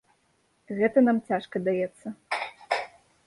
Гэта нам цяжка даецца.